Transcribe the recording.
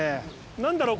何だろう